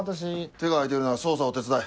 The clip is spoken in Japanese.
手が空いてるなら捜査を手伝え。